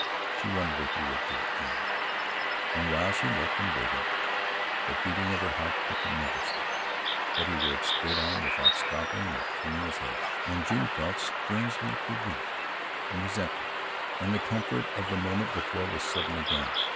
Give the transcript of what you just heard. She wondered if he would do it now, and while she looked and waited, the beating of her heart quickened nervously; but he rode straight on, without stopping or turning his head, and June felt strangely bereft and resentful, and the comfort of the moment before was suddenly gone.